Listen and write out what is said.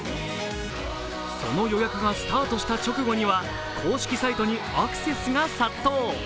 その予約がスタートした直後には公式サイトにアクセスが殺到。